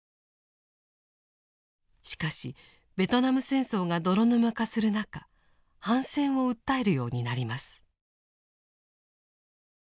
しかしベトナム戦争が泥沼化する中反戦を訴えるようになります。